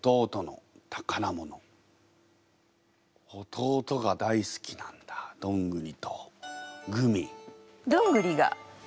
弟が大好きなんだどんぐりとグミ。